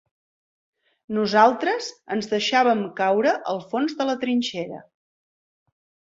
Nosaltres ens deixàvem caure al fons de la trinxera